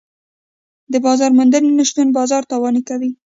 د بازار موندنې نشتون بزګر تاواني کوي.